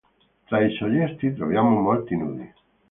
Tra i soggetti troviamo molti nudi.